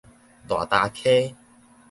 大礁溪